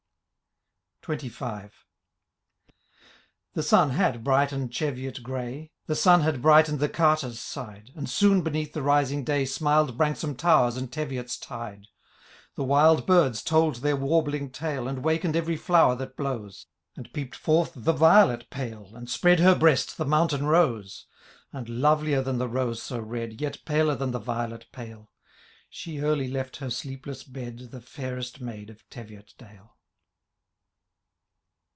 XXV. The sun had brightened Cheviot grey. The sun had brighten^ the CarterV side ; And soon beneath the rising day .* Smiled Branksome Towers and Tevioi*8 tide. The wild birds told their warbling tale And waken'd every flower that blows ; And peeped forth the violet pale. And spread her breast the moimtain rose ; And lovelier than the rose so red. Yet paler than the violet pale, She early left her sleepless bed. The fiiirest maid of Teviotdale.